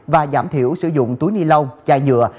và giảm thiểu sử dụng túi ni lông chai nhựa